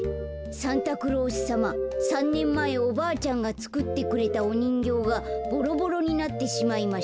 「サンタクロースさま３ねんまえおばあちゃんがつくってくれたおにんぎょうがボロボロになってしまいました。